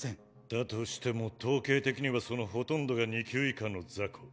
だとしても統計的にはそのほとんどが２級以下のザコ。